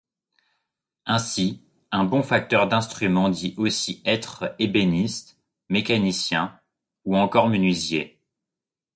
Ainsi, un bon facteur d’instrument dit aussi être ébéniste, mécanicien ou encore menuisier.